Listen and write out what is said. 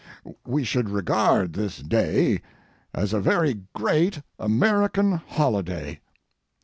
We should regard this day as a very great American holiday.